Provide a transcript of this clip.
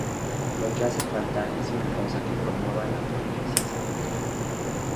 Lo que hace falta es una causa que promueva la polimerización.